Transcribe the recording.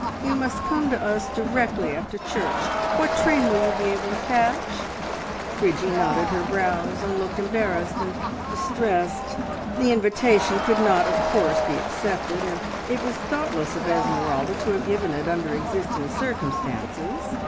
You must come to us directly after church. What train will you be able to catch?" Bridgie knitted her brows and looked embarrassed and distressed. The invitation could not, of course, be accepted, and it was thoughtless of Esmeralda to have given it under existing circumstances.